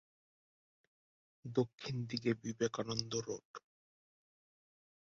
দক্ষিণ দিকে বিবেকানন্দ রোড।